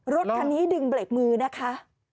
รถคันนี้ดึงเบรกมือนะคะ